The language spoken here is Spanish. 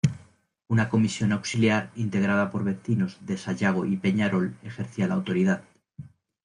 Una Comisión Auxiliar integrada por vecinos de Sayago y Peñarol ejercía la autoridad.